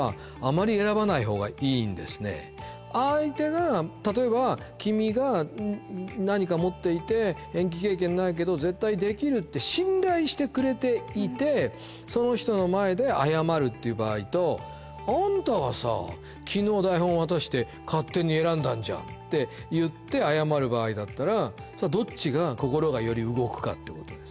相手が例えば君が何か持っていて演技経験ないけど絶対できるって信頼してくれていてその人の前で謝るっていう場合と「あんたがさ昨日台本渡して」「勝手に選んだんじゃん」っていって謝る場合だったらどっちが心がより動くかってことです